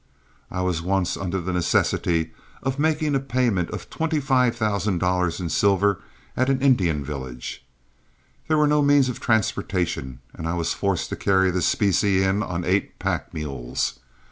I was once under the necessity of making a payment of twenty five thousand dollars in silver at an Indian village. There were no means of transportation, and I was forced to carry the specie in on eight pack mules.